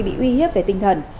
bị uy hiếp về tinh thần